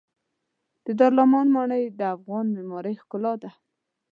د دارالامان ماڼۍ د افغان معمارۍ ښکلا ده.